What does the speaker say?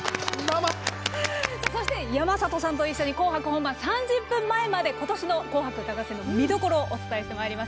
そして、山里さんと一緒に「紅白」本番３０分前まで今年の「紅白歌合戦」の見どころをお伝えしてまいります